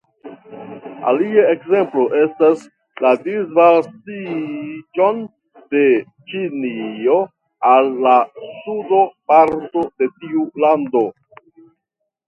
Alia ekzemplo estas la disvastiĝon de Ĉinio al la sudo parto de tiu lando.